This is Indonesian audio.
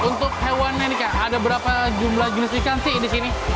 untuk hewan ini kak ada berapa jumlah jenis ikan sih disini